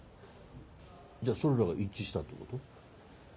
じゃあそれらが一致したってこと？